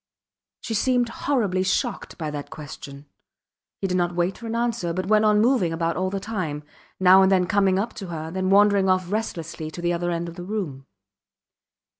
She seemed horribly shocked by that question. He did not wait for an answer, but went on moving about all the time; now and then coming up to her, then wandering off restlessly to the other end of the room.